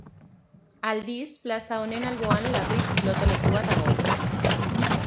Aldiz, plaza honen alboan Labrit pilotalekua dago.